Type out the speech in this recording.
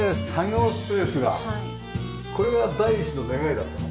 これが第一の願いだったの？